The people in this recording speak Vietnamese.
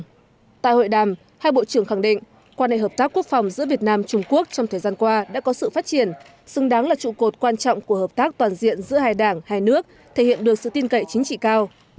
trong hội đàm hai bộ trưởng khẳng định quan hệ hợp tác quốc phòng giữa việt nam trung quốc trong thời gian qua đã có sự phát triển xứng đáng là trụ cột quan trọng của hợp tác toàn diện giữa hai đảng hai nước thể hiện được sự tin cậy chính trị cao